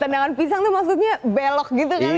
tendangan pisang tuh maksudnya belok gitu kali ya